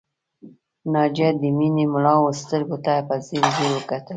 ناجیه د مينې مړاوو سترګو ته په ځير ځير وکتل